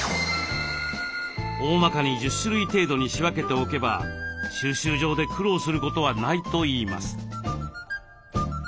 おおまかに１０種類程度に仕分けておけば収集場で苦労することはないといいます。